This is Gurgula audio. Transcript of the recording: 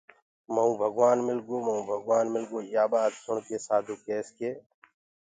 مئونٚ ڀگوآن مِلگو مئونٚ ڀگوآن مِلگو يآ ٻآت سُڻڪي سآڌوٚ ڪيس ڪي